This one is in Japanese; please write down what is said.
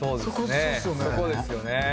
そこですよね。